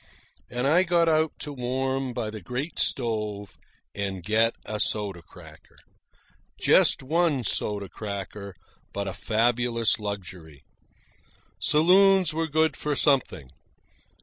And I got out to warm by the great stove and get a soda cracker. Just one soda cracker, but a fabulous luxury. Saloons were good for something.